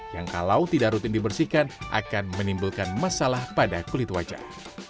yang kalau tidak rutin dibersihkan akan menimbulkan masalah pada kulit wajah